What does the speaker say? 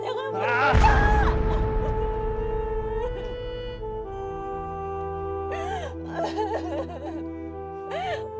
jangan tinggalkan ibu pak